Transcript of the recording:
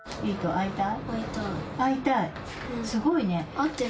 会いたい。